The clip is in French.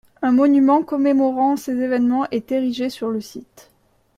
Un monument commémorant ces événements est érigé sur le site.